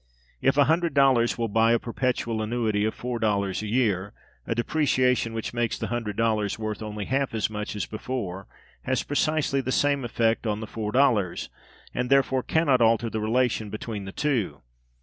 If a hundred dollars will buy a perpetual annuity of four dollars a year, a depreciation which makes the hundred dollars worth only half as much as before has precisely the same effect on the four dollars, and therefore can not alter the relation between the two.